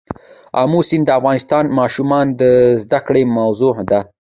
آمو سیند د افغان ماشومانو د زده کړې موضوع ده.